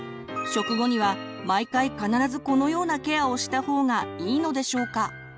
食後には毎回必ずこのようなケアをした方がいいのでしょうか？